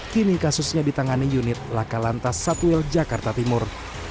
kini kasusnya ditangani unit laka lantas satwil jakarta timur